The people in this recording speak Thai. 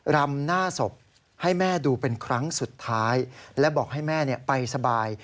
รำหน้าศพให้แม่ดูเป็นครั้งสุดท้ายและบอกให้แม่ไปสบาย